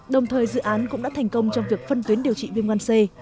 đồng thời dự án cũng đã thành công trong việc phân tuyến điều trị viêm gan c